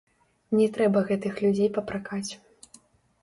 Не трэба гэтых людзей папракаць.